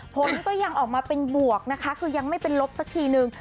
ผลก็ยังออกมาเป็นบวกนะคะคือยังไม่เป็นลบสักทีนึง